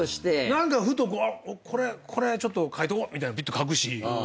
何かふとこうこれはちょっと書いとこうみたいなの書くし。